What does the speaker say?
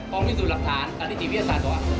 ปรองมิสูจน์หลักฐานเทศนี้วิวัตสัตวะ